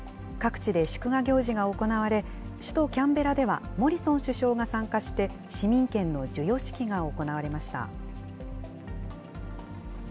各地で祝賀行事が行われ、首都キャンベラでは、モリソン首相が参加して、市民権の授与式が行われました。